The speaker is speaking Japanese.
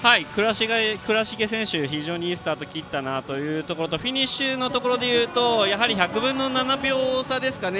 藏重選手非常にいいスタートを切ったなというところとフィニッシュのところでいうと１００分の７秒差ですかね